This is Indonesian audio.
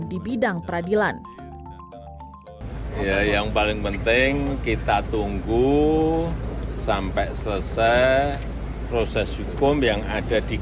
di bidang peradilan yang paling penting kita tunggu sampai selesai proses hukum yang ada di